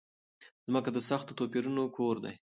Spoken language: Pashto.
ځمکه د سختو توپيرونو کور دی.